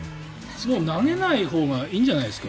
もう投げないほうがいいんじゃないですか？